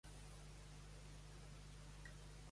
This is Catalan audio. Toni Moog és un actor nascut a Barcelona.